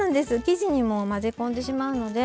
生地にもう混ぜ込んでしまうので。